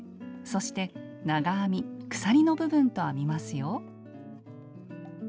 そして長編み・鎖の部分と編みますよ。